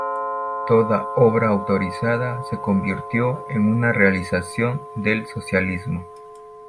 Toda obra autorizada se convirtió en una realización del socialismo.